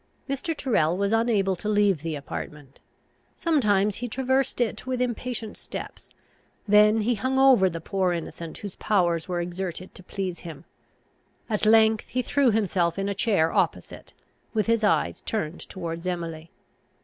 Mr. Tyrrel was unable to leave the apartment. Sometimes he traversed it with impatient steps; then he hung over the poor innocent whose powers were exerted to please him; at length he threw himself in a chair opposite, with his eyes turned towards Emily.